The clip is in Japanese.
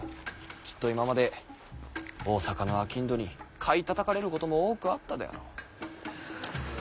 きっと今まで大坂のあきんどに買いたたかれることも多くあったであろう。